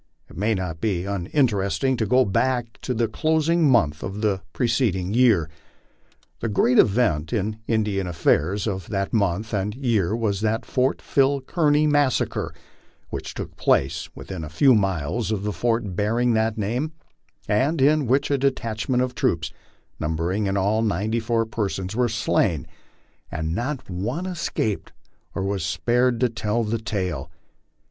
It may not be uninteresting to go back to the closing month of the preceding year. The great event in Indian affairs of that month and year was the Fort Phil Kearny massacre, which took place within a few miles of the fort bearing that name, and in which a detachment of troops, numbering in all ninety four persons, were slain, and not one escaped or was spared to tell the tale.